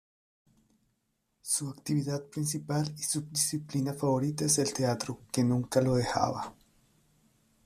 Su actividad principal y su disciplina favorita es el teatro, que nunca lo dejaba.